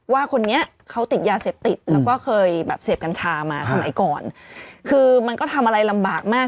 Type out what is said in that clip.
ว่าคนนี้เขาติดยาเสพติดแล้วก็เคยแบบเสพกัญชามาสมัยก่อนคือมันก็ทำอะไรลำบากมาก